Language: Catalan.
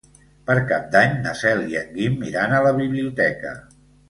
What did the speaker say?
Per Cap d'Any na Cel i en Guim iran a la biblioteca.